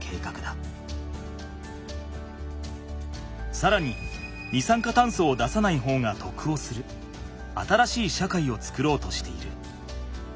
さらに二酸化炭素を出さない方がとくをする新しい社会を作ろうとしている。